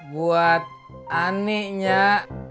buat ani nyak